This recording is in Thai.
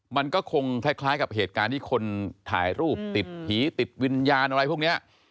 มันก็คงคล้ายกับเหตุการณ์ที่คนถ่ายรูปติดผีติดวิญญาณอะไรพวกนี้